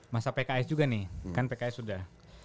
masa pks juga nih kan pks sudah